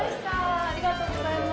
ありがとうございます。